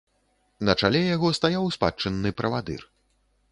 На чале яго стаяў спадчынны правадыр.